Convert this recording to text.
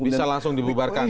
bisa langsung dibubarkan